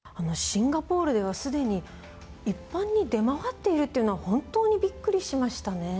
シンガポールではすでに一般に出回っているというのは本当にびっくりしましたね。